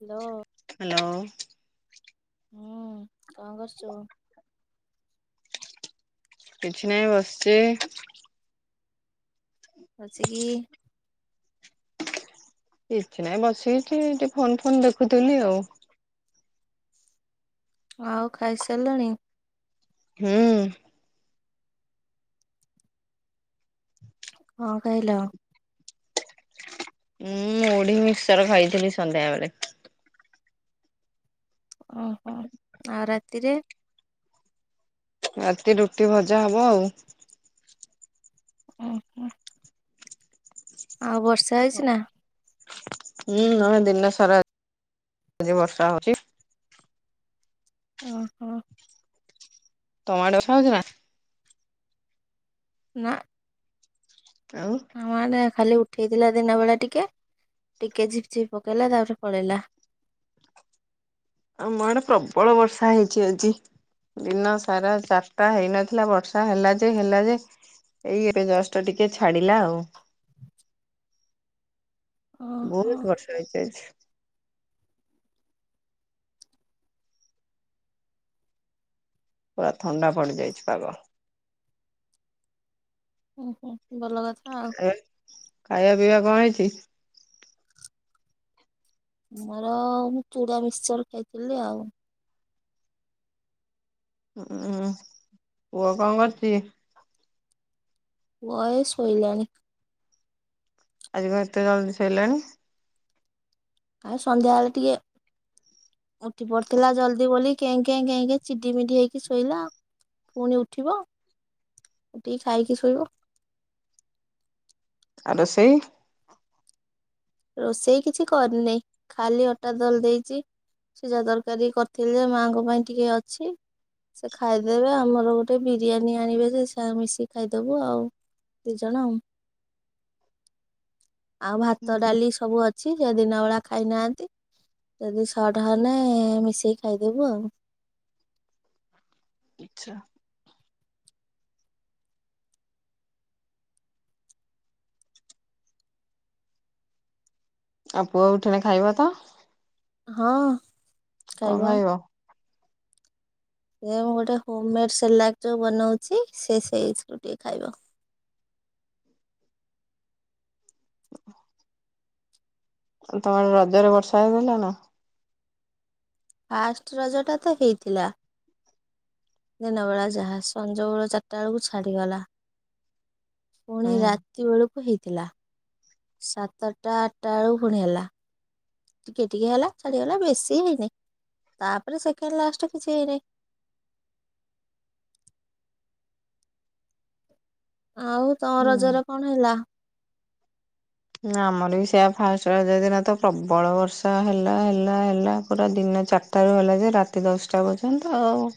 Hello. Hello ହୁଁ କ କରୁଛୁ? କିଛି ନାଇଁ ବସିଛି। ବଚି କି? କିଛି ନାହିଁ ବସିିଛି ଟିକେ ଫୋନ ଫୋନ ଦେଖୁଥିଲି ଆଉ। ଆଉ ଖାଇସାରିଲଣି? ହୁଁ। କ ଖାଇଲ? ମୁଁ ମୁଢି ମିକ୍ସର ଖାଇଥିଲି ସନ୍ଧ୍ୟାବେଳେ। ଓହୋ। ଆଉ ରାତିରେ? ରାତି ରୁଟି ଭଜା ହବ ଆଉ। ଓ ହୋ। ଆଉ ବର୍ଷା ହେଇଛି ନା? ହୁଁ ନହେଁ ଦିନ ସାରା ଆଜି ବର୍ଷା ହଉଛି। ଓହୋ। ତମଆଡେ ବର୍ଷା ହଉଛି ନାଁ। ନାଁ। ଆଉ। ଆମଆଡେ ଖାଲି ଉଠେଇଥିଲା ଦିନ ବେଳା ଟିକେ। ଟିକେ ଝିପି ଝିପି ପକେଇଲା ତାପରେ ପଳେଇଲା। ଆମ ଆଡେ ପ୍ରବଳ ବର୍ଷା ହେଇଛି ଆଜି। ଦିନ ସାରା ଚାଟା ହେଇନଥିଲା ବର୍ଷା ହେଲା ଯେ ହେଲା ଯେ ଏଇ ଏବେ ଜଷ୍ଟ ଟିକେ ଛାଡିଲା ଆଉ। ଓହୋ ବହୁତୁ ବର୍ଷା ହେଇଚି ଆଜି। ପୁରା ଥଣ୍ଡା ପଡ଼ିଯାଇଛି ପାଗ। ଓହୋ ଭଲ କଥା ଆଉ। ଏ ଖାଇବା ପିଇବା କ ହେଇଛି? ମୋର ମୁଁ ଚୁଡା ମିକ୍ସଚର ଖାଇଥିଲି ଆଉ। ହୁଁ ପୁଅ କ କରୁଛି? ପୁଅ ଏ ଶୋଇଲାଣି। ଆଜି କ ଏତେ ଜଲଦି ସଇଲାଣି। ଆଉ ସନ୍ଧ୍ୟାବେଳେ ଟିକେ। ଉଠି ପଡିଥିଲା ଜଲ୍ଦି ବୋଲି କେଁ କେଁ ହୋଇକି ଚିଡିମିଡି ହେକଇକି ଶୋଇଲା ଆଉ। ପୁଣି ଉଠିବ। ଉଠିକି ଖାଇକି ଶୋଇବ। ଆଉ ରୋଷେଇ? ରୋଷେଇ କିଛି କରିନେଇଁ। ଖାଲି ଅଟା ଦଳି ଦେଇଛି। ସିଝା ତକାରୀ କରିଥିଲି ଯେ ମାଆଙ୍କ ପାଇଁ ଟିକେ ଅଛି। ସେ ଖାଇଦେବେ। ଆମର ଗୋଟେ ବିରିୟାନୀ ଆଣିବେ ଯେ ସେ ମିଶିକି ଖାଇଦବୁ ଆଉ। ଦି ଜଣ ଆଉ। ଆଉ ଭାତ ଡାଲି ସବୁ ଅଛି। ସେ ଦିନ ବଳା ଖାଇନାହାନ୍ତି। ଆ ଯଦି ସଟ ହେଲେ ମିଶେଇକି ଖାଇଦେବୁ ଆଉ। [inaudible] ଆଉ ପୁଅ ଉଠିଣେ ଖାଇବ ତ। ହଁ କଣ ଖାଇବ? ସେ ମୁଁ ଗୋଟେ ହୋମ ମେଡ ସାଲାଡ୍ ଯୋଉ ବନଉଛି ସେ ସେଇରୁ ଟିକେ ଖାଇବ। ଆଉ ତମର ରଜରେ ବର୍ଷା ହେଇଥିଲା ନା। ଫାଷ୍ଟ ରଜଟା ତ ହେଇଥିଲା। ଦିନ ବେଳା ଯାହା ସଞ୍ଜ ବେଳା ଚାରିଟା ବେଳକୁ ଛାଡ଼ିଗଲା। ପୁଣି ହୁଁ। ରାତି ରାତି ବେଳକୁ ହେଇଥିଲା। ସାତଟା ଆଠଟା ବେଳକୁ ପୁଣି ହେଲା। ଟିକେ ଟିକେ ହେଲା ଛାଡ଼ିଗଲା ବେଶୀ ହେଇନାହିଁ ତାପରେ ସେକେଣ୍ଡ ଲାଷ୍ଟ କିଛି ହେଇନାହିଁ। ଆଉ ତମ ହୁଁ। ରଜରେ କଣ ହେଲା? ଆମର ବି ସେଇଆ ଫାଷ୍ଟ ରାଜ ଦିନ ତ ପ୍ରବଳ ବର୍ଷା ହେଲା ହେଲା ହେଲା ପୁରା ଦିନ ଜା ସକାଳୁ ହେଲା ଯେ ରାତି ଦଶଟା ପର୍ଯ୍ୟନ୍ତ ଆଉ।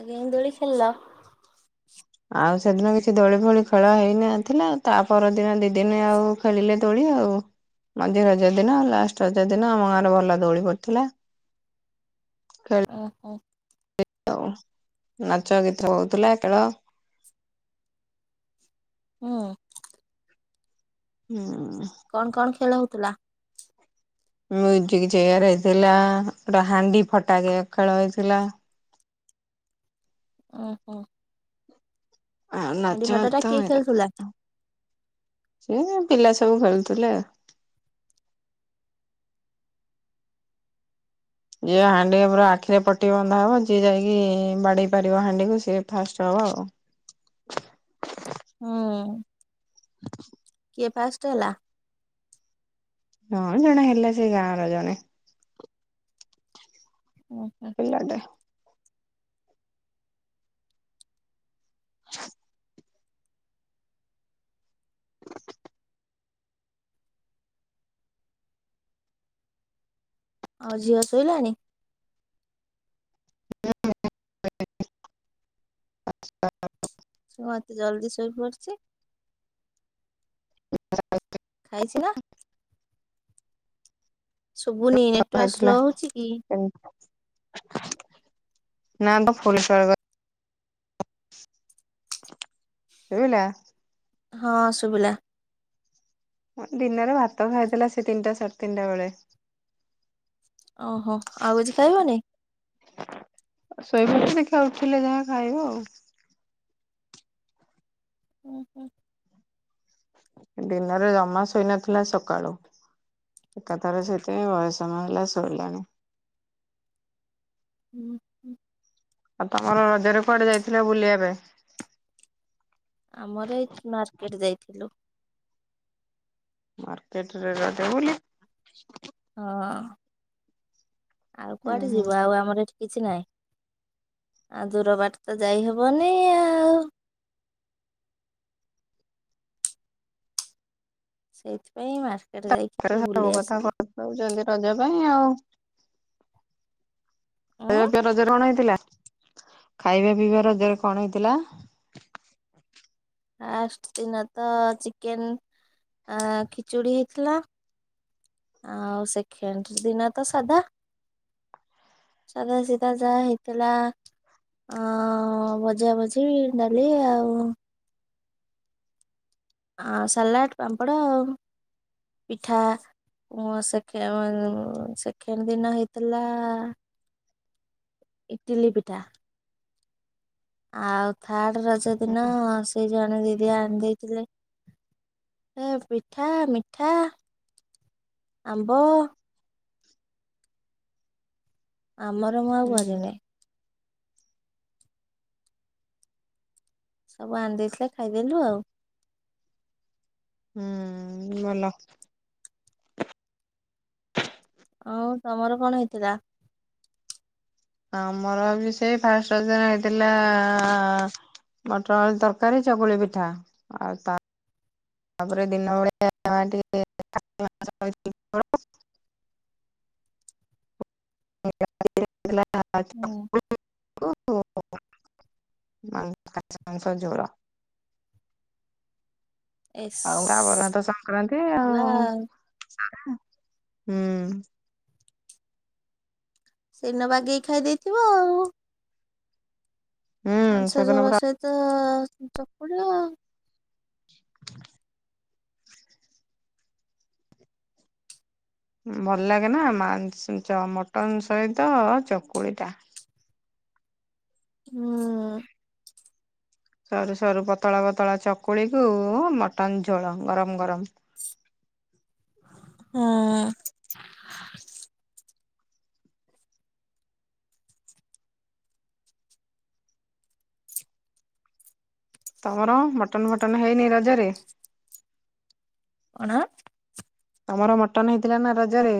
ଆଜ୍ଞା ଦୋଳି ଖେଳିଲ? [unintelligible] ଆଉ ସେଦିନ କିଛି ଦୋଳି ଫୋଳି ଖେଳ ହେଇନଥିଲା, ତା ପରଦିନ ଦି ଦିନ ଆଉ ଖେଳିଲେ ଦୋଳି ଆଉ। ମଝି ରଜ ଦିନ ଲାଷ୍ଟ ରଜ ଦିନ ଆମ ଗାଁରେ ଭଲ ଦୋଳି ପଡ଼ିଥିଲା। ଓହୋ। [unintelligible] ଆଉ ନାଚ ଗୀତ ହଉଥିଲା ଖେଳ। ଉଁ ହୁଁ କଣ କଣ ଖେଳ ହଉଥିଲା? ମ୍ୟୁଜିକ୍ ଚେୟାର ହେଇଥିଲା ଗୋଟା ହାଣ୍ଡି ଫଟାକ ଖେଳ ହେଇଥିଲା। ଅ ହୁଁ। ଆଉ ନାଚ ଫାଟ ଟା ଗୀତ କିଏ ହେଲା, ଖେଳୁଥିଲା? ଏପିଲା ସବୁ ଖେଳୁଥିଲେ ଆଉ। ଯିଏ ହାଣ୍ଡି ପୁରା ଆଖିରେ ପଟି ବନ୍ଧା ହେବ ଯିଏ ଯାଇକି ବାଡ଼େଇ ପାରିବ ହାଣ୍ଡିକୁ ସିଏ ଫାଷ୍ଟ ହବ ଆଉ। ହଁ ହ [unintelligible] କିଏ ଫାଷ୍ଟ ହେଲା? ହଁ ଜଣେ ହେଲେ ସେ ଗାଁ ର ଜଣେ। ଓ ହୋ। [unintelligible] [unintelligible] ଆଉ ଝିଅ ଶୋଇଲାଣି? ହଛ [unintelligible] ହଁ ମତେ ଜଲଦି ଶୋଇ ପଡ଼ିଚି। ହ [unintelligible] ଖାଇଚି ନା? ଶୁଭୁନି। ନେଟୱାର୍କ ସ୍ଲୋ ହେଇଥିଲା ହଉଛି କି? ନା ତ ଫଲେଶର [unintelligible] [inaudible] ଶୁଭିଲା? ହଁ ଶୁଭିଲା। ଦିନରେ ଭାତ ଖାଇଥିଲା ସେ ତିନିଟା ସାଢ଼େ ତିନିଟା ବେଳେ। ଓହୋ ଆଉ କିଛି ଖାଇବନି? ଶୋଇପଡ଼ିଚି ଦେଖା ଉଠିଲେ ଯାହା ଖାଇବ ଆଉ। ଓଁ ହୁଁ। ଦିନରେ ଜମା ଶୋଇନଥିଲା ସକାଳୁ। ଏକାଥର ସେଇଥିପାଇଁ ବହେ ସମୟ ହେଲା ଶୋଇଲାଣି। ହୁଁ। ଆଉ ତମର ରଜରେ କୁଆଡେ ଯାଇଥିଲା ବୁଲିବା ପାଇଁ? ଆମର ଏଇ ମାର୍କେଟ ଯାଇଥିଲୁ। ମାର୍କେଟ୍ ରେ ରଜ ବୁଲି। ଅ ଆଉ ହୁଁ କୁଆଡେ ହୁଁ। ଯିବୁ ଆଉ ଆମର ଏଠି କିଛି ନାହିଁ ଆଉ ଦୂର ବାଟ ତ ଯାଇହବନି ଆଉ। ସେଇଥିପାଇଁ ମାର୍କେଟ ଯାଇକି ଟିକେ ସବୁ ବୁଲି କଥା ଆସିଲୁ କଉଛନ୍ତି ରଜ ପାଇଁ ଆଉ ଉଁ ଖାଇବା ପିଇବା ରଜରେ କଣ ହେଇଥିଲା, ଖାଇବା ପିଇବା ରଜରେ କଣ ହେଇଥିଲା? ଫାଷ୍ଟ ଦିନ ତ ଚିକେନ ଖିଚୁଡି ହେଇଥିଲା। ଆଉ ସେଖେଣ୍ଡ ଦିନ ତ ସାଧା। ସାଧା ସିଧା ଯାହା ହେଇଥିଲା। ହ- ଅଁ - ଅଁ ଭଜା ଭଜି ଡାଲି ଆଉ। ଆ ସାଲାଡ଼୍ ପାମ୍ପଡ଼ ଆଉ ପିଠା। ମଁ ସେକେ ସେଖେଣ୍ଡ୍ ଦିନ ହେଇଥିଲା ଆଁ ଆ ଇଟିଲି ପିଠା। ଆଉ ଥାର୍ଡ ରଜ ଦିନ ସେଇ ଜଣେ ଦିଦି ଆଣି ଦେଇଥିଲେ। ଏ ପିଠା, ମିଠା ଆମ୍ବ। ଆମର ମୁଁ ଆଉ ହୁଁ କରିନି। ସବୁ ଆଣିଦେଇଥିଲେ ଖାଇଦେଲୁ ଆଉ। ହୁଁ ଉଁ ଭଲ। ଅଉ ତମର କଣ ହେଇଥିଲା? ଆମର ବି ସେଇ ଫାଷ୍ଟ୍ ରଜ ହେଇଥିଲା ଆ- ଆ- ଆ- ଆ- ଆ ମଟର୍ ଆଳୁ ତରକାରୀ ଚକୁୁଳି ପିଠା ଆଉ ତା ତାପରେ ଦିନ ଭଳେଆ ଟିକେ କେ [inaudible] [unintelligible] [inaudible] ଏସ୍ ଆଉ ତାପରେ ତ ସଂକ୍ରାନ୍ତି ହେଲା ଆଉ ସାରା ହୁଁ। ସେଇଦିନ ବାଗେଇକି ଖାଇ ଦେଇଥିବ ଆଉ। ହୁଁ ମାଂସ ସେଦିନ ପୁରା ଝୋଳ ସହିତ ଚକୁଳି ଆ [unintelligible] ଭଲ୍ ଲାଗେ ନା ମାଁଗ୍ ମଟନ ସହିତ ଚକୁଳି ଟା। ହୁଁ। ତା ସରୁ ସରୁ ପତଳା ପତଳା ଚକୁଳିକୁ ଉଁ ମଟନ ଝୋଳ ଗରମ୍ ଗରମ୍। ହଁ। ତମର ମଟନ୍ ଫଟନ୍ ହେଇନି ରଜରେ? କଣ? ତମର ମଟନ୍ ହେଇଥିଲା ନା ରଜରେ?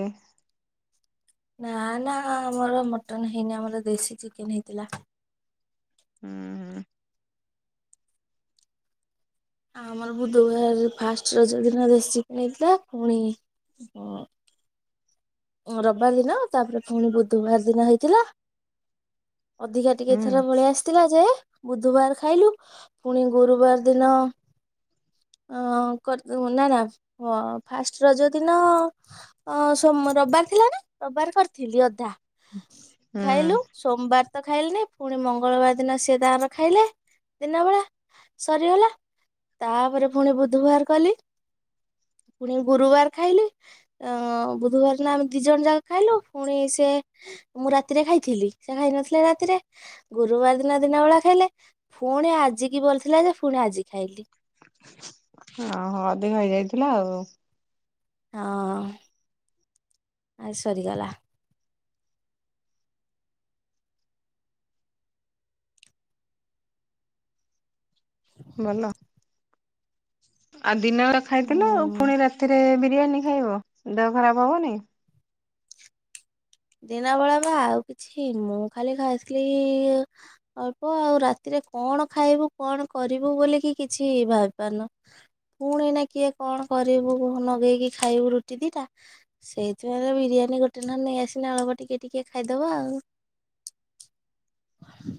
ନା ନା ଆମର ମଟନ୍ ହେଇନି ଆମର ଦେଶୀ ଚିକେନ୍ ହେଇଥିଲା। ହୁଁ। ଆମର ବୁଧବାର୍ ଫାଷ୍ଟ୍ ରଜ ଦିନ ଦେଶ୍ ଚିକ୍ ହେଥିଲା ପୁଣି ରବିବାର୍ ଦିନ ତାପରେ ପୁଣି ବୁଧବାର୍ ଦିନ ହେଇଥିଲା। ଅଧିକା ଟିକେଥର ହୁଁ ପଳେଇଆସିଥିଲା ଯେ ବୁଧବାର ଖାଇଲୁ ପୁଣି ଗୁରୁବାର୍ ଦିନ ଅ ନା ନା ଫାଷ୍ଟ୍ ରଜ ଦିନ ଅ ସୋମ୍ ରବିବାର ଥିଲା ନା ରବିବାର୍ କରିଥିଲି ଅଧା ହୁଁ ଖାଇଲୁ। ସୋମବାର୍ ତ ଖାଇଲେ ପୁଣି ମଙ୍ଗଳବାର ଦିନ ସିଏ ତାର ଖାଇଲେ ଦିନ ବେଳା। ସରିଗଲା ତାପରେ ପୁଣି ବୁଧବାର୍ କଲି। ପୁଣି ଗୁରୁବାର୍ ଖାଇଲେ ଅ ବୁଧବାର୍ ନାଁ ଆମେ ଦି ଜଣ ଯାକ ଖାଇଲୁ ପୁଣି ସେ ମୁଁ ରାତିରେ ଖାଇଥିଲି, ସେ ଖାଇ ନଥିଲେ ରାତିରେ। ଗୁରୁବାର୍ ଦିନ ଦିନ ବେଳା ଖାଇଲେ ପୁଣି ଆଜିିକି ବଳି ଥିଲା ଯେ ପୁଣି ଆଜି ଖାଇଲେ। ହଁ ହଁ ଅଧିକ ହେଇଯାଇଥିଲା ଆଉ। ହଁ ଅ ସରିଗଲା। ଭଲ। ଆଉ ଦିନ ଖାଇଥିଲୁ ହୁଁ ପୁଣି ରାତିରେ ବିରିୟାନୀ ଖାଇବ ଦେହ ଖରାପ ହବନି? ଦିନ ବେଳା ବା ଆଉ କିଛି ମୁଁ ଖାଲି ଖାଇସ୍ ଥିଲି ଇ ଅଳ୍ପ ଆଉ ରାତିରେ କଣ ଖାଇବୁ କଣ କରିବୁ ବୋଲି କି କିଛି ଭାବିପାରନୁ। ପୁଣି ନା କିଏ କଣ କରିବୁ ଲଗେଇକି ଖାଇବୁ ରୁଟି ଦିଟା। ସେଇଥି ପା ବିରିୟାନୀ ଗୋଟେ ନେଇଁ ଇ ଆଳକୁ ଟିକେ ଟିକେ ଖାଇଦବା ଆଉ।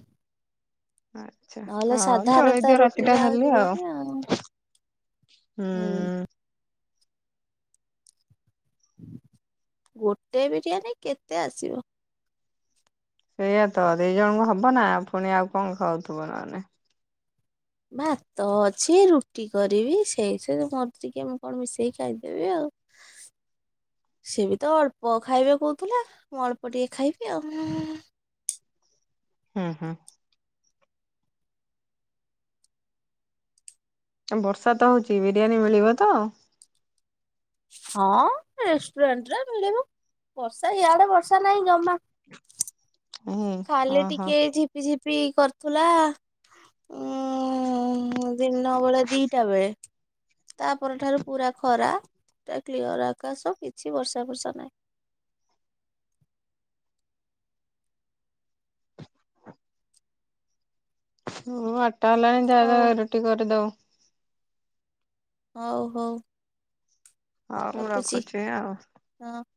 ହଁ। ଆଛା ନହେଲେ ହଁ ସାଧାରଣତ ଚଳେଇଦିଅ ରାତିଟା ରୁଟିରେ ଖାଲି ଆଉ ଯିବନି ହୁଁ। ଗୋଟେ ବିରିୟାନୀ କେତେ ଆସିବ? ସେଇଆ ତ ଦି ଜଣଙ୍କୁ ହବ ନା ପୁଣି ଆଉ କଣ ଖାଉଥିବ ନହେଲେ। ଭାତ ଅଛି ରୁଟି କରିବି ସେଇ ସେ ମର ଟିକେ ମୁଁ କଣ ମିଶେଇ ଖାଇଦେବି ଆଉ। [inaudible] ସେ ବି ତ ଅଳ୍ପ ଖାଇବେ କହୁଥିଲା ମୁଁ ଅଳ୍ପ ଟିକେ ଖାଇବି ଆଉ। ହୁଁ ହୁଁ। ବର୍ଷା ତ ହଉଚି ବିରିୟାନୀ ମିଳିବ ତ? ହଁ ରେଷ୍ଟୁରାଣ୍ଟ ରେ ମିଳିବ ବର୍ଷା ଇଆଡେ ବର୍ଷା ନାହିଁ ଜମା। ନାହିଁ ଖାଲି ଓହୋ ଟିକେ ଝିପିଝିପି କରୁଥିଲା ଉଁ। ଦିନ ବେଳେ ଦିଟା ବେଳେ। ତା ପରଠାରୁ ପୁରା ଖରା କ୍ଲିୟର ଆକାଶ କିଛି ବର୍ଷା ଫର୍ଷା ନାହିଁ। ହୁଁ ଆଠଟା ହେଲାଣି ଯାଅ ହଉ ଯାଅ ରୁଟି କରିଦବ। ହଉ ହଉ। ହଉ ମୁଁ ରଖୁଛି ଆଉ। ହଁ।